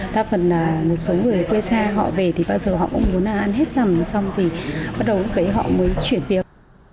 đa phần là một số người quê xa họ về thì bao giờ họ cũng muốn ăn hết tầm xong thì bắt đầu đấy họ mới chuyển việc